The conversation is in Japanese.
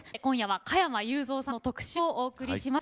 今夜は加山雄三さんの特集をお送りします。